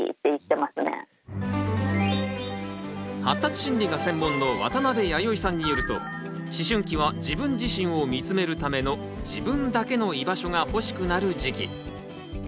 発達心理が専門の渡辺弥生さんによると思春期は自分自身を見つめるための自分だけの居場所が欲しくなる時期。